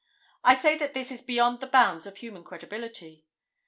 I say that this is beyond the bounds of human credibility.